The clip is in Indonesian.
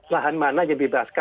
lahan mana yang bebas